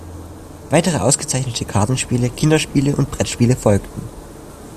Weitere ausgezeichnete Kartenspiele, Kinderspiele und Brettspiele folgten.